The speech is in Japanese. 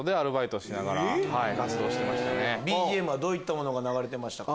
ＢＧＭはどういったものが流れてましたか？